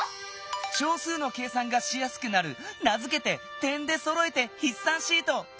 小数の計算がしやすくなる名づけて「点でそろえてひっ算シート」！